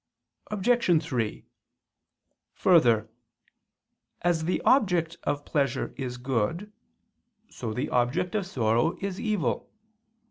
Obj. 3: Further, as the object of pleasure is good, so the object of sorrow is evil.